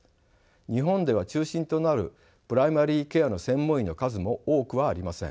日本では中心となるプライマリケアの専門医の数も多くはありません。